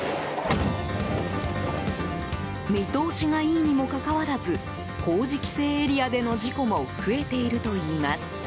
見通しがいいにもかかわらず工事規制エリアでの事故も増えているといいます。